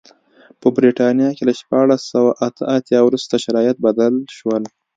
په برېټانیا کې له شپاړس سوه اته اتیا وروسته شرایط بدل شول.